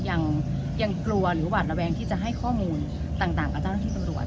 ยังกลัวหรือหวาดระแวงที่จะให้ข้อมูลต่างกับเจ้าหน้าที่ตำรวจ